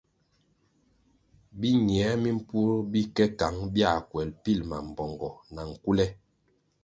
Biñie mimpur bi ke kăng bia kuel bil mambpongo na nkule.